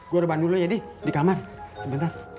gua lebaran dulu ya di kamar sebentar